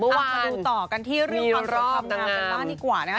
มาดูต่อกันที่เรื่องรอบนางงามกันล่ะนี่กว่า